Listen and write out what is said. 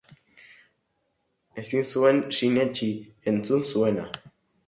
Ezin zuen sinetsi entzun zuena.